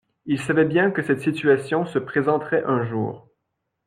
Il savait bien que cette situation se présenterait un jour.